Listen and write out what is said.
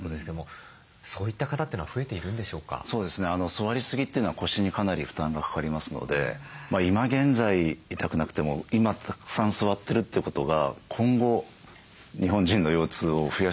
座りすぎというのは腰にかなり負担がかかりますので今現在痛くなくても今たくさん座ってるってことが今後日本人の腰痛を増やしていく。